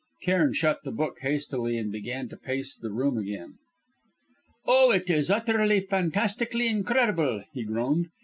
Cairn shut the book hastily and began to pace the room again. "Oh, it is utterly, fantastically incredible!" he groaned.